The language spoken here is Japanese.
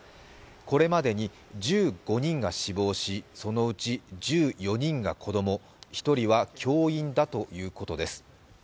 これまでに１５人が死亡しそのうち１４人が子供１人は教員だということです。